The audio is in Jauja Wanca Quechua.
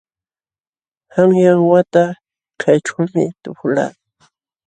Qanyan wata kayćhuumi tuhulqaa.